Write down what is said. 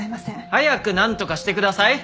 早くなんとかしてください！